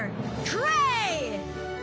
トレイだ！